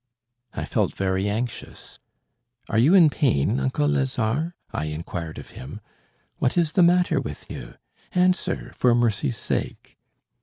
I felt very anxious. "Are you in pain, uncle Lazare?" I inquired of him, "What is the matter with you? Answer, for mercy's sake."